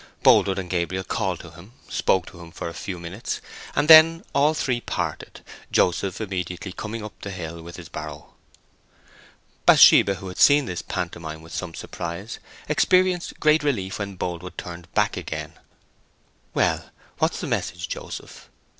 Boldwood and Gabriel called to him, spoke to him for a few minutes, and then all three parted, Joseph immediately coming up the hill with his barrow. Bathsheba, who had seen this pantomime with some surprise, experienced great relief when Boldwood turned back again. "Well, what's the message, Joseph?"